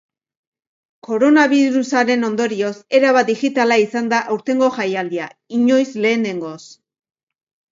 Koronabirusaren ondorioz, erabat digitala izan da aurtengo jaialdia, inoiz lehenengoz.